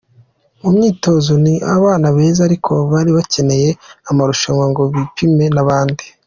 Mu myitozo ni abana beza ariko bari bakeneye amarushanwa ngo bipime n’abandi.